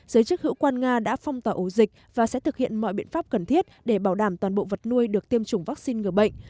giới chức hữu quan nga đã phong tỏa ổ dịch và sẽ thực hiện mọi biện pháp cần thiết để bảo đảm toàn bộ vật nuôi được tiêm chủng vaccine ngừa bệnh